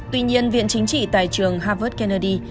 tuy nhiên viện chính trị tại trường harvard kennedy